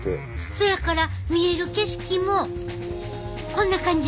そやから見える景色もこんな感じ。